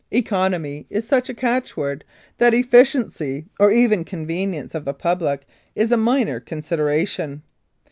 "Economy" is such a catch word that eff ciency or even convenience of the public is a minor consideration.